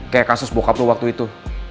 kayak kasus bokap lo waktu itu